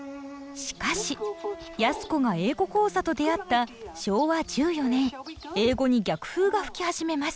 しかし安子が「英語講座」と出会った昭和１４年英語に逆風が吹き始めます。